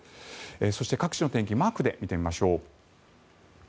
そして各地の天気マークで見てみましょう。